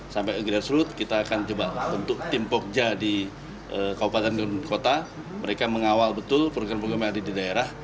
sampai ke grassroot kita akan coba bentuk tim pogja di kabupaten dan kota mereka mengawal betul program program yang ada di daerah